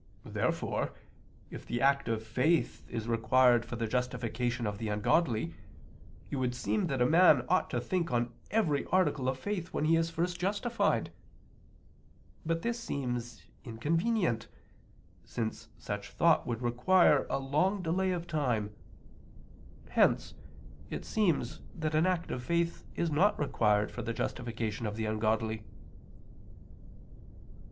Therefore if the act of faith is required for the justification of the ungodly, it would seem that a man ought to think on every article of faith when he is first justified. But this seems inconvenient, since such thought would require a long delay of time. Hence it seems that an act of faith is not required for the justification of the ungodly.